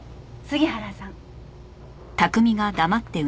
杉原さん。